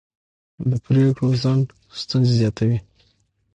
د پرېکړو ځنډ ستونزې زیاتوي